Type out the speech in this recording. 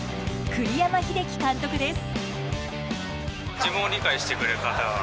栗山英樹監督です。